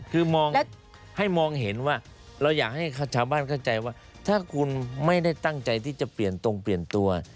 คือมองให้มองเห็นว่าเราอยากให้ชาวบ้านเข้าใจว่าถ้าคุณไม่ได้ตั้งใจที่จะเปลี่ยนตรงเปลี่ยนตัว